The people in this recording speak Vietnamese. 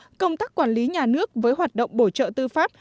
trong khi đó công tác quản lý nhà nước với hoạt động bổ trợ tư pháp